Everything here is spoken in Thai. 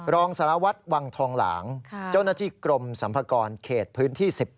รองสารวัตรวังทองหลางเจ้าหน้าที่กรมสัมภากรเขตพื้นที่๑๘